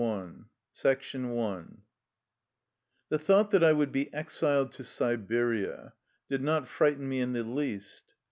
85 IV THE tbought that I would be exiled to Si beria did not frigbten me in the least.